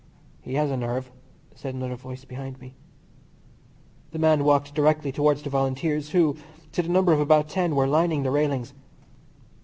"He has a nerve," said another voice behind me. The man walked directly towards the Volunteers, who, to the number of about ten, were lining the railings.